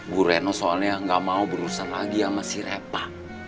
bu reno soalnya gak mau berusaha lagi sama si repa